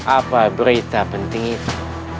apa berita penting itu